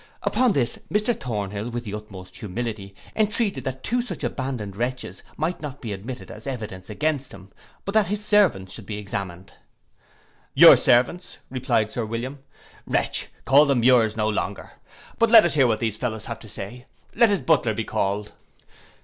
Upon this, Mr Thornhill, with the utmost humility, entreated that two such abandoned wretches might not be admitted as evidences against him, but that his servants should be examined.—'Your servants' replied Sir William, 'wretch, call them yours no longer: but come let us hear what those fellows have to say, let his butler be called.